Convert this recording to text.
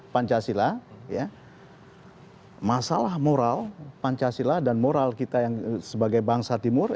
pancasila masalah moral pancasila dan moral kita yang sebagai bangsa timur